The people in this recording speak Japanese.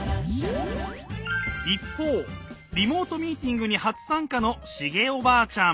一方リモートミーティングに初参加のシゲおばあちゃん。